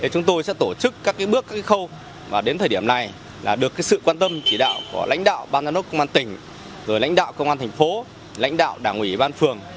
chúng tôi sẽ tổ chức các bước các khâu và đến thời điểm này là được sự quan tâm chỉ đạo của lãnh đạo ban giám đốc công an tỉnh rồi lãnh đạo công an thành phố lãnh đạo đảng ủy ban phường